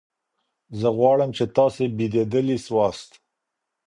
زه غواړم چي تاسي بېدېدلي سواست.